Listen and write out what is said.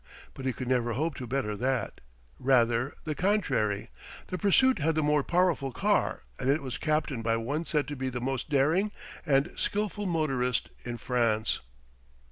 But he could never hope to better that: rather, the contrary. The pursuit had the more powerful car, and it was captained by one said to be the most daring and skilful motorist in France.